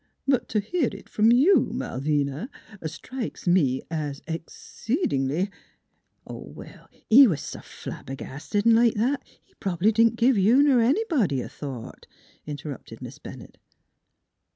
But to hear it from you, Malvina, strikes me as exceedingly "" He was s' flabbergasted V like that, he prob'ly didn't give you ner anybody a thought," interrupted Miss Bennett.